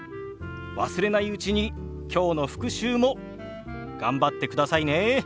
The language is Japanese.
忘れないうちに今日の復習も頑張ってくださいね。